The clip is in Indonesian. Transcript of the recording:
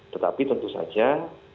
tetapi tentu saja